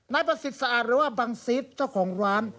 นายประสิทธิ์สะอาดหรือว่าบังซิสเจ้าของร้าน